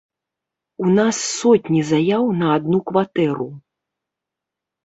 У нас сотні заяў на адну кватэру.